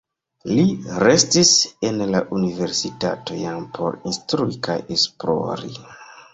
Li restis en la universitato jam por instrui kaj esplori.